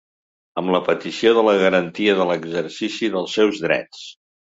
Amb la petició de la garantia de l’exercici dels seus drets.